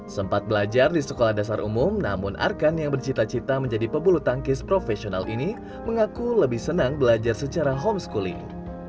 sempat belajar di sekolah dasar umum namun arkan yang bercita cita menjadi pebulu tangkis profesional ini mengaku lebih senang belajar secara homeschooling